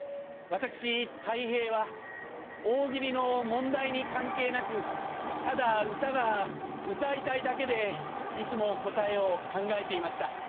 私たい平は大喜利の問題に関係なくただ歌が歌いたいだけでいつも答えを考えていました。